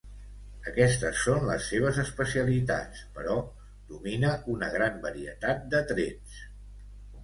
Aquestes són les seves especialitats, però domina una gran varietat de trets.